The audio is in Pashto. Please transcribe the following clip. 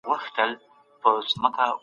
نظري پوښتنې د فکر کولو لاره پرانیزي.